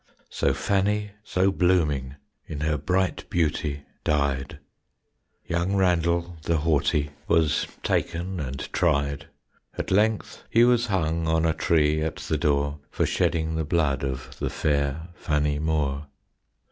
So Fannie, so blooming, In her bright beauty died; Young Randell, the haughty, Was taken and tried; At length he was hung On a tree at the door, For shedding the blood Of the fair Fannie Moore.